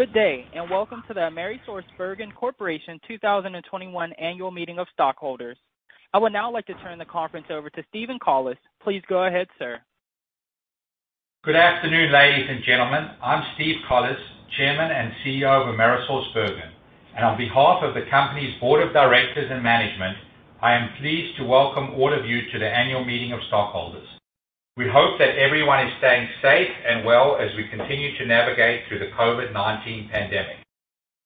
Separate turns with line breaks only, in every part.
Good day, and welcome to the AmerisourceBergen Corporation 2021 Annual Meeting of Stockholders. I would now like to turn the conference over to Steven Collis. Please go ahead, sir.
Good afternoon, ladies and gentlemen. I'm Steve Collis, chairman and CEO of AmerisourceBergen, and on behalf of the company's board of directors and management, I am pleased to welcome all of you to the annual meeting of stockholders. We hope that everyone is staying safe and well as we continue to navigate through the COVID-19 pandemic.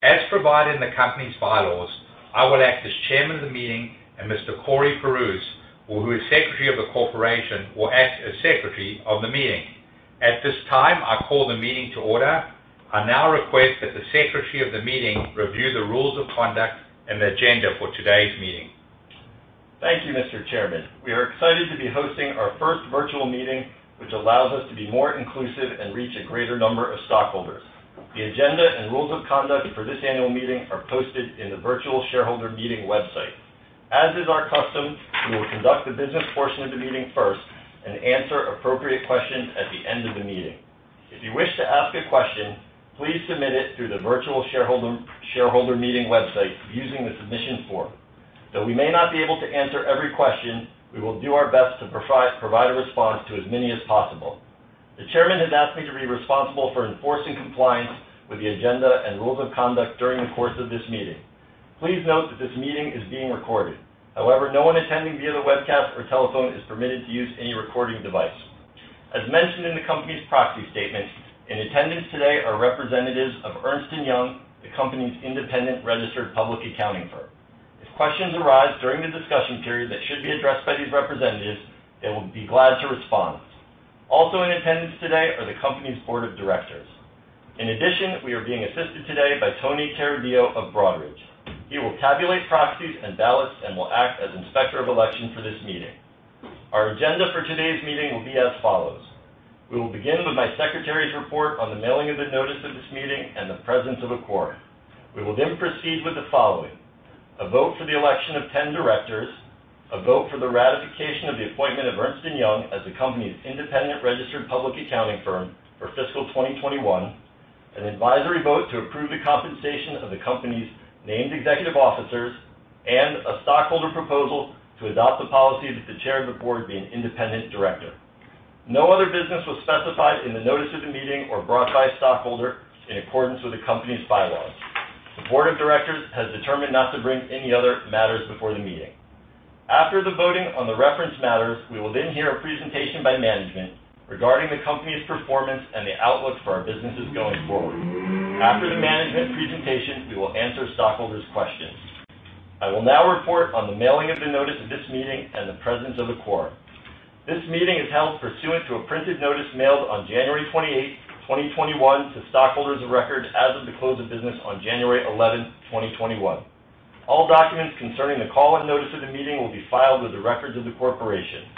As provided in the company's bylaws, I will act as chairman of the meeting, and Mr. Kourosh Pirouz, who is secretary of the corporation, will act as secretary of the meeting. At this time, I call the meeting to order. I now request that the secretary of the meeting review the rules of conduct and the agenda for today's meeting.
Thank you, Mr. Chairman. We are excited to be hosting our first virtual meeting, which allows us to be more inclusive and reach a greater number of stockholders. The agenda and rules of conduct for this annual meeting are posted in the virtual shareholder meeting website. As is our custom, we will conduct the business portion of the meeting first and answer appropriate questions at the end of the meeting. If you wish to ask a question, please submit it through the virtual shareholder meeting website using the submission form. Though we may not be able to answer every question, we will do our best to provide a response to as many as possible. The chairman has asked me to be responsible for enforcing compliance with the agenda and rules of conduct during the course of this meeting. Please note that this meeting is being recorded. However, no one attending via the webcast or telephone is permitted to use any recording device. As mentioned in the company's proxy statement, in attendance today are representatives of Ernst & Young, the company's independent registered public accounting firm. If questions arise during the discussion period that should be addressed by these representatives, they will be glad to respond. Also in attendance today are the company's board of directors. In addition, we are being assisted today by Tony Carideo of Broadridge. He will tabulate proxies and ballots and will act as Inspector of Election for this meeting. Our agenda for today's meeting will be as follows. We will begin with my secretary's report on the mailing of the notice of this meeting and the presence of a quorum. We will proceed with the following. A vote for the election of 10 directors, a vote for the ratification of the appointment of Ernst & Young as the company's independent registered public accounting firm for fiscal 2021, an advisory vote to approve the compensation of the company's named executive officers, and a stockholder proposal to adopt the policy that the chair of the board be an independent director. No other business was specified in the notice of the meeting or brought by a stockholder in accordance with the company's bylaws. The board of directors has determined not to bring any other matters before the meeting. After the voting on the referenced matters, we will then hear a presentation by management regarding the company's performance and the outlook for our businesses going forward. After the management presentation, we will answer stockholders' questions. I will now report on the mailing of the notice of this meeting and the presence of a quorum. This meeting is held pursuant to a printed notice mailed on January 28, 2021, to stockholders of record as of the close of business on January 11, 2021. All documents concerning the call and notice of the meeting will be filed with the records of the corporation.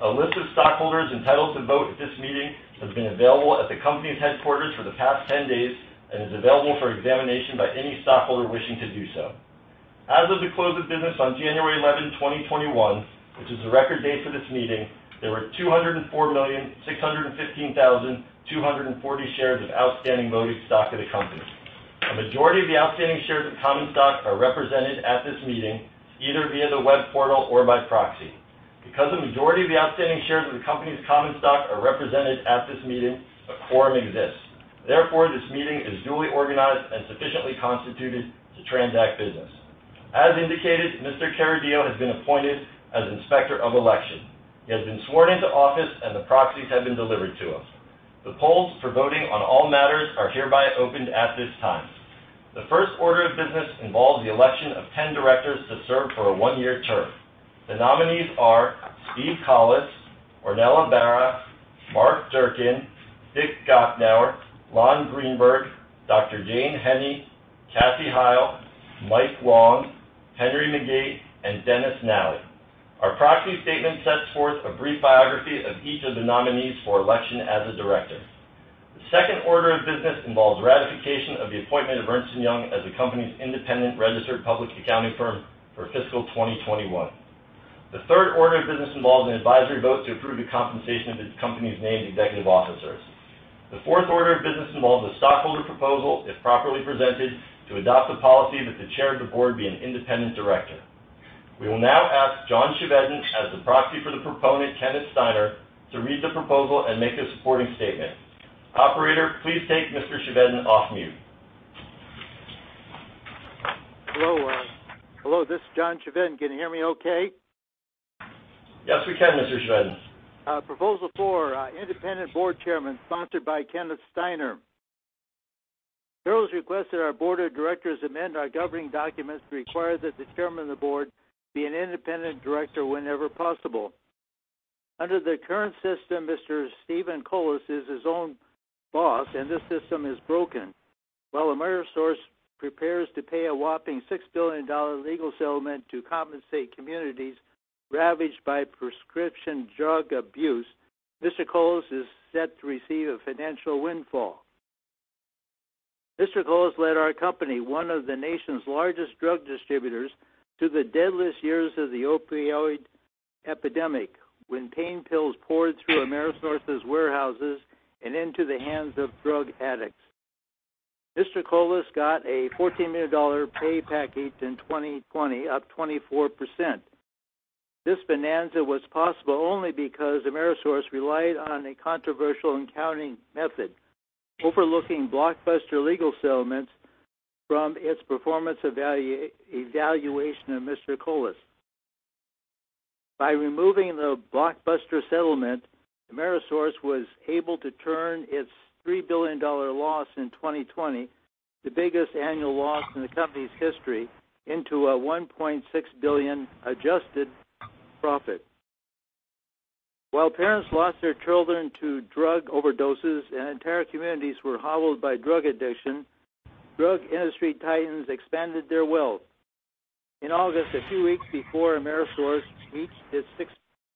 A list of stockholders entitled to vote at this meeting has been available at the company's headquarters for the past 10 days and is available for examination by any stockholder wishing to do so. As of the close of business on January 11, 2021, which is the record date for this meeting, there were 204,615,240 shares of outstanding voting stock of the company. A majority of the outstanding shares of common stock are represented at this meeting, either via the web portal or by proxy. Because a majority of the outstanding shares of the company's common stock are represented at this meeting, a quorum exists. Therefore, this meeting is duly organized and sufficiently constituted to transact business. As indicated, Mr. Carideo has been appointed as Inspector of Election. He has been sworn into office, and the proxies have been delivered to him. The polls for voting on all matters are hereby opened at this time. The first order of business involves the election of 10 directors to serve for a one-year term. The nominees are Steve Collis, Ornella Barra, Mark Durcan, Dick Gochnauer, Lon Greenberg, Dr. Jane Henney, Kathy Hyle, Mike Long, Henry McGee, and Dennis Nally. Our proxy statement sets forth a brief biography of each of the nominees for election as a director. The second order of business involves ratification of the appointment of Ernst & Young as the company's independent registered public accounting firm for fiscal 2021. The third order of business involves an advisory vote to approve the compensation of the company's named executive officers. The fourth order of business involves a stockholder proposal, if properly presented, to adopt the policy that the chair of the board be an independent director. We will now ask John Chevedden as the proxy for the proponent, Kenneth Steiner, to read the proposal and make a supporting statement. Operator, please take Mr. Chevedden off mute.
Hello, this is John Chevedden. Can you hear me okay?
Yes, we can, Mr. Chevedden.
Proposal four, independent board chairman, sponsored by Kenneth Steiner. Proponent's request that our board of directors amend our governing documents to require that the chairman of the board be an independent director whenever possible. Under the current system, Mr. Steven Collis is his own boss, and this system is broken. While Amerisource prepares to pay a whopping $6 billion legal settlement to compensate communities ravaged by prescription drug abuse, Mr. Collis is set to receive a financial windfall. Mr. Collis led our company, one of the nation's largest drug distributors, through the deadliest years of the opioid Epidemic, when pain pills poured through AmerisourceBergen's warehouses and into the hands of drug addicts. Mr. Collis got a $14 million pay package in 2020, up 24%. This bonanza was possible only because AmerisourceBergen relied on a controversial accounting method, overlooking blockbuster legal settlements from its performance evaluation of Mr. Collis. By removing the blockbuster settlement, AmerisourceBergen was able to turn its $3 billion loss in 2020, the biggest annual loss in the company's history, into a $1.6 billion adjusted profit. While parents lost their children to drug overdoses and entire communities were hollowed by drug addiction, drug industry titans expanded their wealth. In August, a few weeks before AmerisourceBergen reached its $6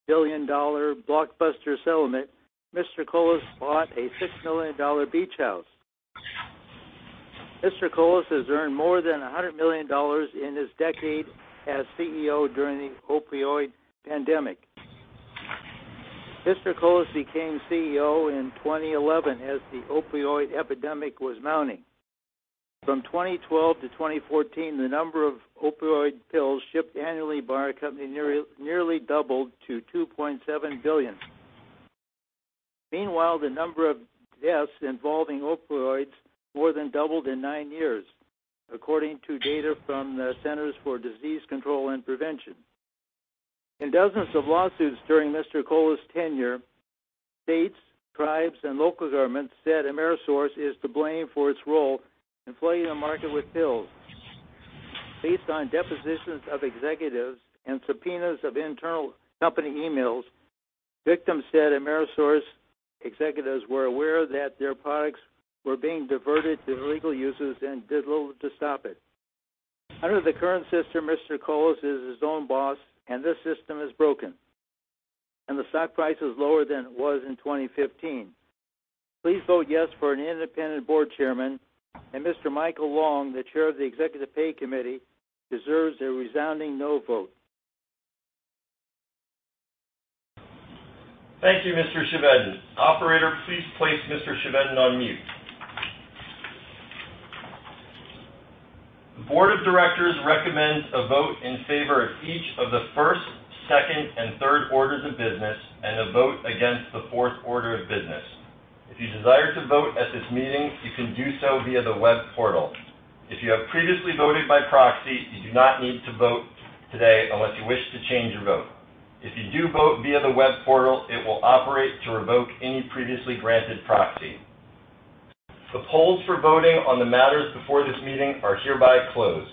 billion blockbuster settlement, Mr. Collis bought a $6 million beach house. Mr. Collis has earned more than $100 million in his decade as CEO during the opioid pandemic. Mr. Collis became CEO in 2011 as the opioid epidemic was mounting. From 2012 - 2014, the number of opioid pills shipped annually by our company nearly doubled to 2.7 billion. Meanwhile, the number of deaths involving opioids more than doubled in nine years, according to data from the Centers for Disease Control and Prevention. In dozens of lawsuits during Mr. Collis' tenure, states, tribes, and local governments said AmerisourceBergen is to blame for its role in flooding the market with pills. Based on depositions of executives and subpoenas of internal company emails, victims said AmerisourceBergen executives were aware that their products were being diverted to illegal uses and did little to stop it. Under the current system, Mr. Collis is his own boss, and this system is broken, and the stock price is lower than it was in 2015. Please vote yes for an independent board chairman. Mr. Michael Long, the chair of the Compensation Committee, deserves a resounding no vote.
Thank you, Mr. Chevedden. Operator, please place Mr. Chevedden on mute. The board of directors recommends a vote in favor of each of the first, second, and third orders of business and a vote against the fourth order of business. If you desire to vote at this meeting, you can do so via the web portal. If you have previously voted by proxy, you do not need to vote today unless you wish to change your vote. If you do vote via the web portal, it will operate to revoke any previously granted proxy. The polls for voting on the matters before this meeting are hereby closed.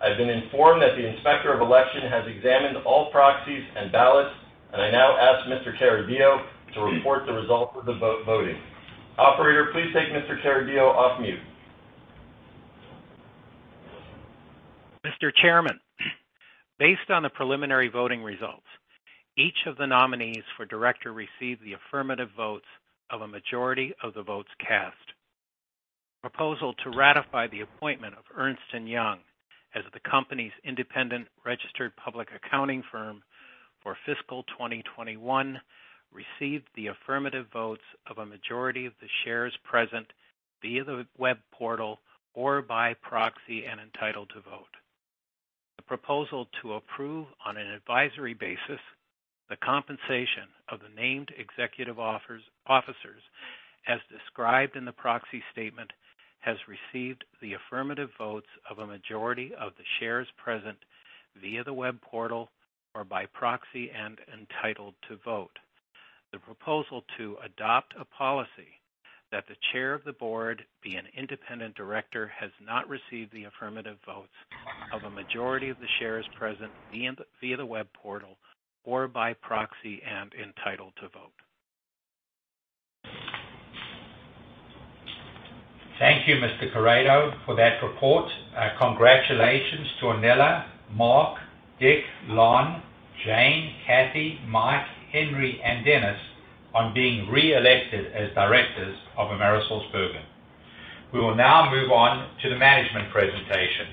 I've been informed that the Inspector of Election has examined all proxies and ballots, and I now ask Mr. Carideo to report the results of the voting. Operator, please take Mr. Carideo off mute.
Mr. Chairman, based on the preliminary voting results, each of the nominees for director received the affirmative votes of a majority of the votes cast. Proposal to ratify the appointment of Ernst & Young as the company's independent registered public accounting firm for fiscal 2021 received the affirmative votes of a majority of the shares present via the web portal or by proxy and entitled to vote. The proposal to approve, on an advisory basis, the compensation of the named executive officers as described in the proxy statement, has received the affirmative votes of a majority of the shares present via the web portal or by proxy and entitled to vote. The proposal to adopt a policy that the chair of the board be an independent director has not received the affirmative votes of a majority of the shares present via the web portal or by proxy and entitled to vote.
Thank you, Mr. Carideo, for that report. Congratulations to Ornella, Mark, Dick, Lon, Jane, Kathy, Mike, Henry, and Dennis on being reelected as directors of AmerisourceBergen. We will now move on to the management presentation.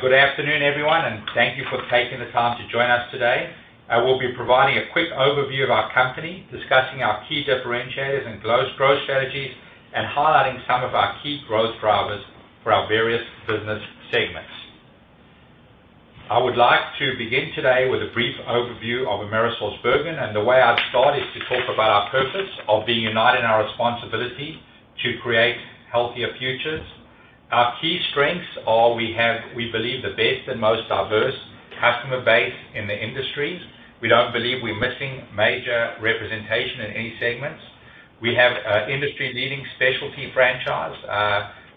Good afternoon, everyone, and thank you for taking the time to join us today. I will be providing a quick overview of our company, discussing our key differentiators and growth strategies, and highlighting some of our key growth drivers for our various business segments. I would like to begin today with a brief overview of AmerisourceBergen, and the way I'd start is to talk about our purpose of being united in our responsibility to create healthier futures. Our key strengths are we believe we have the best and most diverse customer base in the industry. We don't believe we're missing major representation in any segments. We have industry-leading specialty franchise,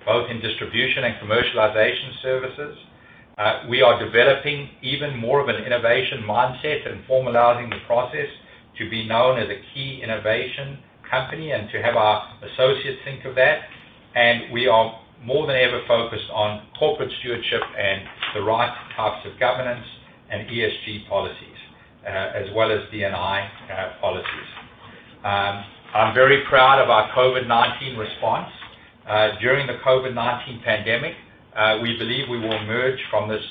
both in distribution and commercialization services. We are developing even more of an innovation mindset and formalizing the process to be known as a key innovation company and to have our associates think of that. We are more than ever focused on corporate stewardship and the right types of governance and ESG policies, as well as D&I policies. I'm very proud of our COVID-19 response. During the COVID-19 pandemic, we believe we will emerge from this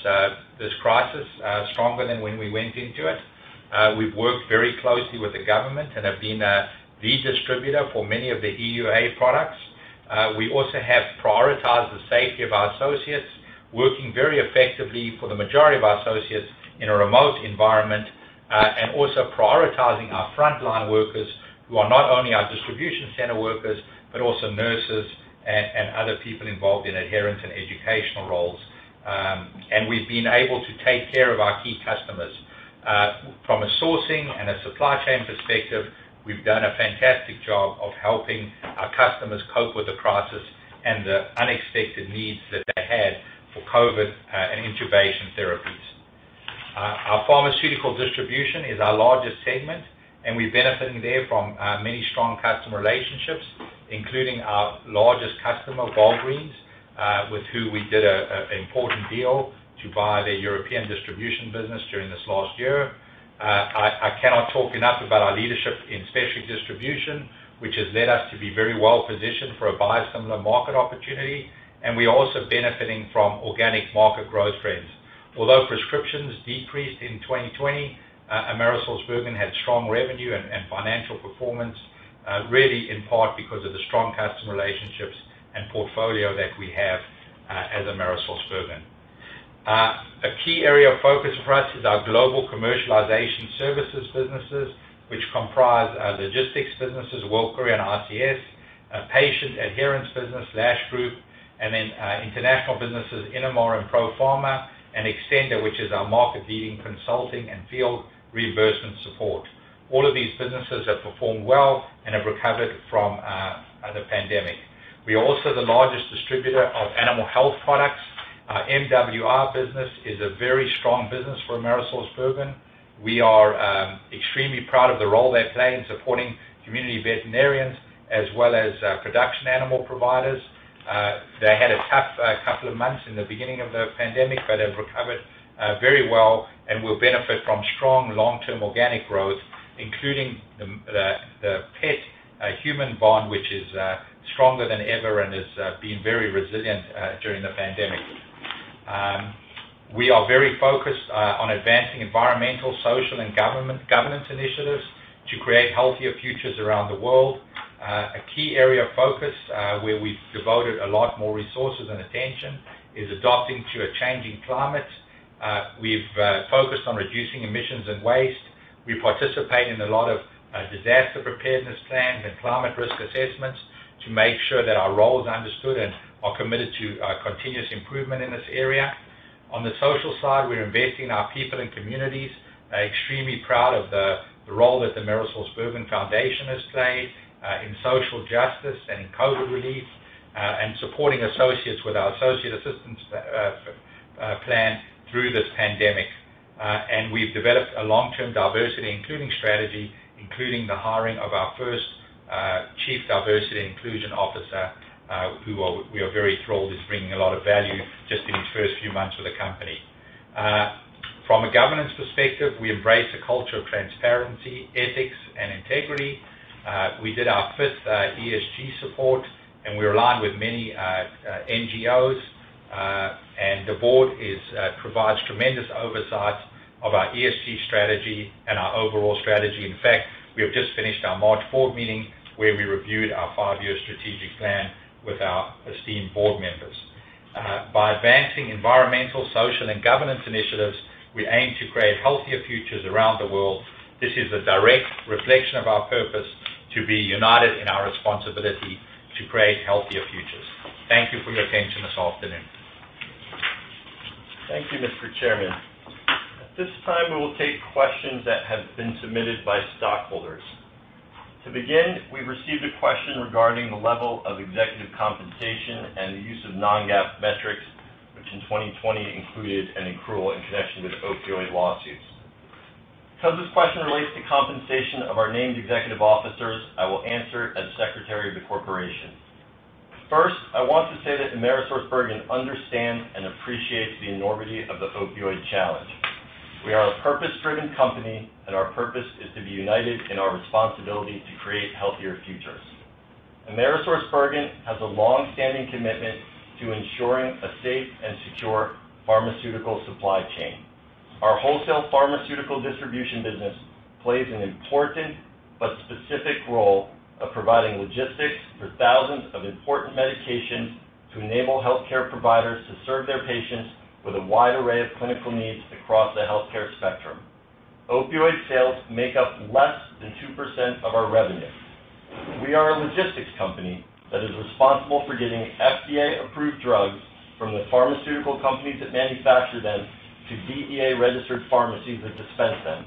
crisis stronger than when we went into it. We've worked very closely with the government and have been the distributor for many of the EUA products. We also have prioritized the safety of our associates, working very effectively for the majority of our associates in a remote environment, and also prioritizing our frontline workers, who are not only our distribution center workers, but also nurses and other people involved in adherence and educational roles. We've been able to take care of our key customers. From a sourcing and a supply chain perspective, we've done a fantastic job of helping our customers cope with the crisis and the unexpected needs that they had for COVID and intubation therapies. Our pharmaceutical distribution is our largest segment, and we're benefiting there from many strong customer relationships, including our largest customer, Walgreens, with who we did an important deal to buy their European distribution business during this last year. I cannot talk enough about our leadership in specialty distribution, which has led us to be very well positioned for a biosimilar market opportunity, and we're also benefiting from organic market growth trends. Although prescriptions decreased in 2020, AmerisourceBergen had strong revenue and financial performance, really in part because of the strong customer relationships and portfolio that we have as AmerisourceBergen. A key area of focus for us is our global commercialization services businesses, which comprise our logistics businesses, World Courier and ICS, patient adherence business, Lash Group, and then international businesses, Innomar and ProPharma, and Xcenda, which is our market leading consulting and field reimbursement support. All of these businesses have performed well and have recovered from the pandemic. We are also the largest distributor of animal health products. Our MWI business is a very strong business for AmerisourceBergen. We are extremely proud of the role they play in supporting community veterinarians as well as production animal providers. They had a tough couple of months in the beginning of the pandemic, but have recovered very well and will benefit from strong long-term organic growth, including the pet-human bond, which is stronger than ever and has been very resilient during the pandemic. We are very focused on advancing environmental, social, and governance initiatives to create healthier futures around the world. A key area of focus where we've devoted a lot more resources and attention is adapting to a changing climate. We've focused on reducing emissions and waste. We participate in a lot of disaster preparedness plans and climate risk assessments to make sure that our role is understood and are committed to continuous improvement in this area. On the social side, we're investing in our people and communities. Extremely proud of the role that the AmerisourceBergen Foundation has played in social justice and in COVID relief, and supporting associates with our associate assistance plan through this pandemic. We've developed a long-term diversity inclusion strategy, including the hiring of our first chief diversity inclusion officer, who we are very thrilled is bringing a lot of value just in his first few months with the company. From a governance perspective, we embrace a culture of transparency, ethics, and integrity. We did our fifth ESG report, we're aligned with many NGOs. The board provides tremendous oversight of our ESG strategy and our overall strategy. In fact, we have just finished our March board meeting where we reviewed our five-year strategic plan with our esteemed board members. By advancing environmental, social, and governance initiatives, we aim to create healthier futures around the world. This is a direct reflection of our purpose to be united in our responsibility to create healthier futures. Thank you for your attention this afternoon.
Thank you, Mr. Chairman. At this time, we will take questions that have been submitted by stockholders. To begin, we've received a question regarding the level of executive compensation and the use of non-GAAP metrics, which in 2020 included an accrual in connection with opioid lawsuits. Because this question relates to compensation of our named executive officers, I will answer it as Secretary of the Corporation. First, I want to say that AmerisourceBergen understands and appreciates the enormity of the opioid challenge. We are a purpose-driven company, and our purpose is to be united in our responsibility to create healthier futures. AmerisourceBergen has a long-standing commitment to ensuring a safe and secure pharmaceutical supply chain. Our wholesale pharmaceutical distribution business plays an important but specific role of providing logistics for thousands of important medications to enable healthcare providers to serve their patients with a wide array of clinical needs across the healthcare spectrum. Opioid sales make up less than 2% of our revenue. We are a logistics company that is responsible for getting FDA-approved drugs from the pharmaceutical companies that manufacture them to DEA-registered pharmacies that dispense them,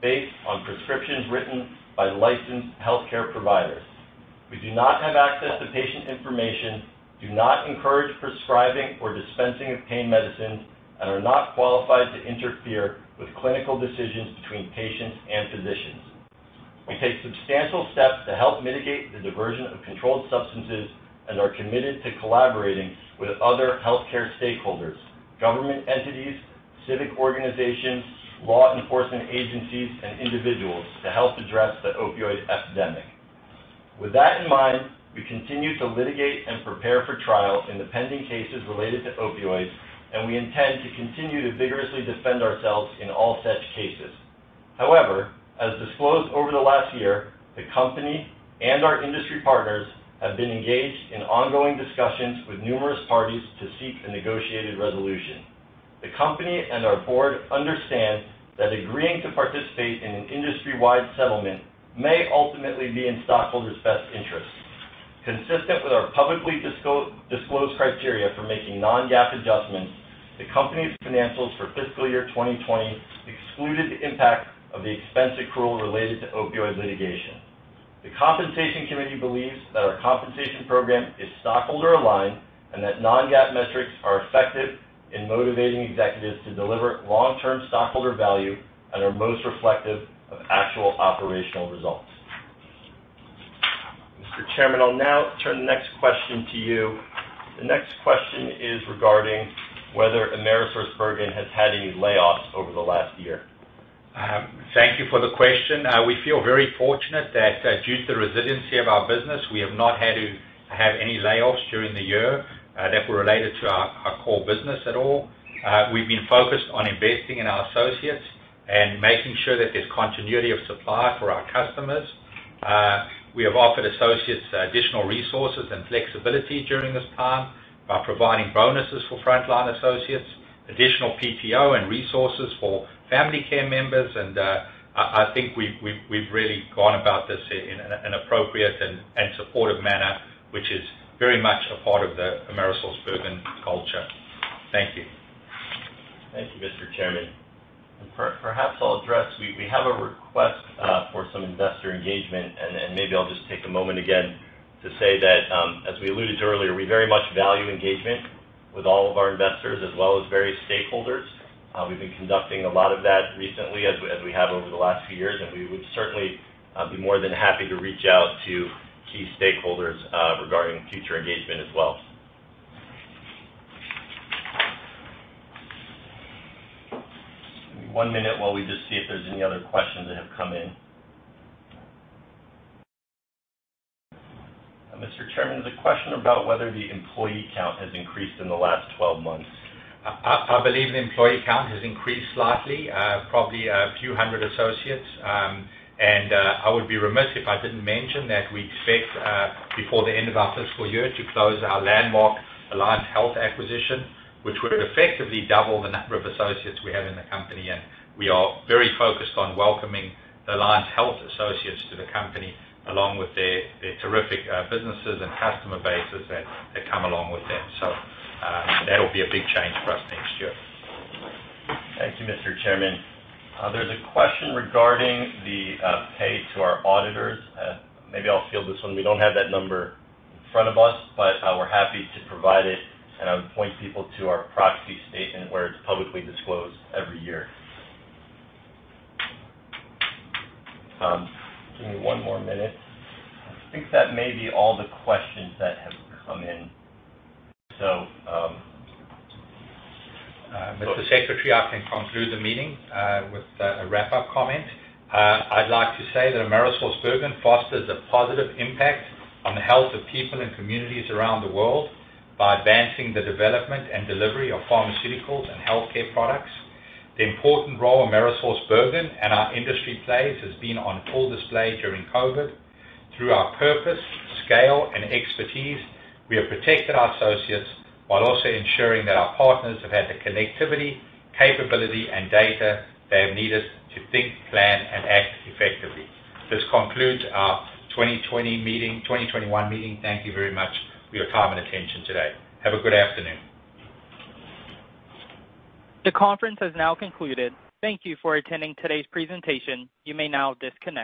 based on prescriptions written by licensed healthcare providers. We do not have access to patient information, do not encourage prescribing or dispensing of pain medicines, and are not qualified to interfere with clinical decisions between patients and physicians. We take substantial steps to help mitigate the diversion of controlled substances and are committed to collaborating with other healthcare stakeholders, government entities, Civic organizations, law enforcement agencies, and individuals to help address the opioid epidemic. With that in mind, we continue to litigate and prepare for trial in the pending cases related to opioids, and we intend to continue to vigorously defend ourselves in all such cases. However, as disclosed over the last year, the company and our industry partners have been engaged in ongoing discussions with numerous parties to seek a negotiated resolution. The company and our board understand that agreeing to participate in an industry-wide settlement may ultimately be in stockholders' best interests. Consistent with our publicly disclosed criteria for making non-GAAP adjustments, the company's financials for fiscal year 2020 excluded the impact of the expense accrual related to opioid litigation. The Compensation Committee believes that our compensation program is stockholder-aligned, and that non-GAAP metrics are effective in motivating executives to deliver long-term stockholder value and are most reflective of actual operational results. Mr. Chairman, I'll now turn the next question to you. The next question is regarding whether AmerisourceBergen has had any layoffs over the last year.
Thank you for the question. We feel very fortunate that due to the resiliency of our business, we have not had to have any layoffs during the year that were related to our core business at all. We've been focused on investing in our associates and making sure that there's continuity of supply for our customers. We have offered associates additional resources and flexibility during this time by providing bonuses for frontline associates, additional PTO and resources for family care members, and I think we've really gone about this in an appropriate and supportive manner, which is very much a part of the AmerisourceBergen culture. Thank you.
Thank you, Mr. Chairman. Perhaps I'll address, we have a request for some investor engagement, and maybe I'll just take a moment again to say that, as we alluded to earlier, we very much value engagement with all of our investors as well as various stakeholders. We've been conducting a lot of that recently as we have over the last few years, and we would certainly be more than happy to reach out to key stakeholders regarding future engagement as well. Give me one minute while we just see if there's any other questions that have come in. Mr. Chairman, there's a question about whether the employee count has increased in the last 12 months.
I believe the employee count has increased slightly, probably a few hundred associates. I would be remiss if I didn't mention that we expect, before the end of our fiscal year, to close our landmark Alliance Healthcare acquisition, which would effectively double the number of associates we have in the company. We are very focused on welcoming Alliance Healthcare associates to the company, along with their terrific businesses and customer bases that come along with them. That'll be a big change for us next year.
Thank you, Mr. Chairman. There's a question regarding the pay to our auditors. Maybe I'll field this one. We don't have that number in front of us, but we're happy to provide it, and I would point people to our proxy statement where it's publicly disclosed every year. Give me one more minute. I think that may be all the questions that have come in.
Mr. Secretary, I can conclude the meeting with a wrap-up comment. I'd like to say that AmerisourceBergen fosters a positive impact on the health of people and communities around the world by advancing the development and delivery of pharmaceuticals and healthcare products. The important role AmerisourceBergen and our industry plays has been on full display during COVID. Through our purpose, scale, and expertise, we have protected our associates while also ensuring that our partners have had the connectivity, capability, and data they have needed to think, plan, and act effectively. This concludes our 2021 meeting. Thank you very much for your time and attention today. Have a good afternoon.
The conference has now concluded. Thank you for attending today's presentation. You may now disconnect.